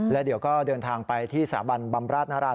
และเดี๋ยวก็เดินทางไปที่สระบันบรรมราษณราธิ